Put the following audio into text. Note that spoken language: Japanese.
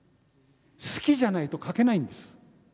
好きじゃないと描けないんです。